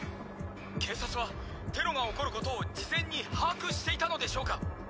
警察はテロが起こることを事前に把握していたのでしょうか？